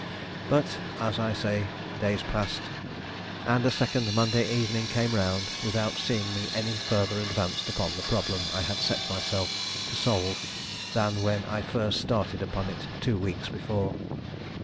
But, as I say, days passed, and a second Monday evening came round without seeing me any further advanced upon the problem I had set myself to solve than when I first started upon it two weeks before.